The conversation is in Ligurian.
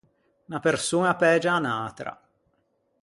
Unna persoña pægia à unn’atra.